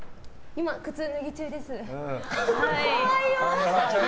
今靴脱ぎ中です。